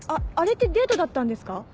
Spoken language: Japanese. あれってデートだったんですか？